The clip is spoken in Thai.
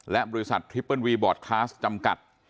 และบริษัททริปเปิ้ลวีบอร์ดคลาสจำกัด